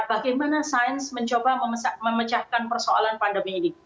bagaimana sains mencoba memecahkan persoalan pandemi ini